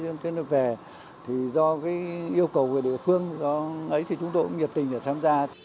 chúng tôi về thì do yêu cầu của địa phương ấy thì chúng tôi cũng nhiệt tình để tham gia